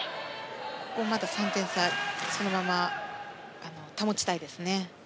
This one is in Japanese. ここは３点差をそのまま保ちたいですね。